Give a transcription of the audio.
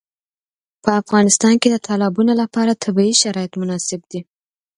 په افغانستان کې د تالابونه لپاره طبیعي شرایط مناسب دي.